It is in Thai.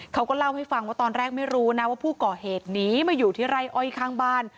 เขาก็เล่าให้ฟังว่าตอนแรกไม่รู้นะว่าผู้ก่อเหตุหนีมาอยู่ที่ไร่อ้อยข้างบ้าน